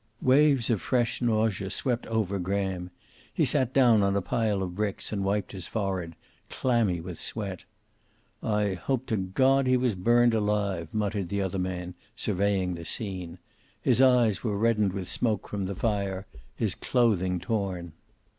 Waves of fresh nausea swept over Graham. He sat down on a pile of bricks and wiped his forehead, clammy with sweat. "I hope to God he was burned alive," muttered the other man, surveying the scene. His eyes were reddened with smoke from the fire, his clothing torn.